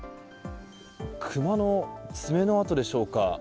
クマの爪の跡でしょうか。